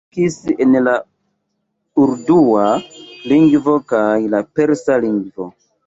Li verkis en la urdua lingvo kaj la persa lingvo.